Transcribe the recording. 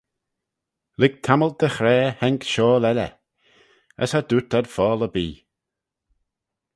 Lurg tammylt dy hraa haink shiaull elley, as cha dooyrt ad fockle erbee.